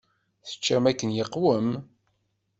Teččam akken iqwem?